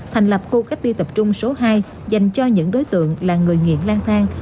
thành lập khu cách đi tập trung số hai dành cho những đối tượng là người nghiện lan thang